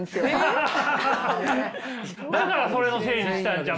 だからそれのせいにしたんちゃう？